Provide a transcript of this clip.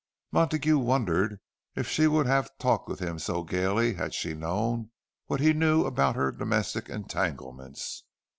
Montague wondered if she would have talked with him so gaily had she known what he knew about her domestic entanglements.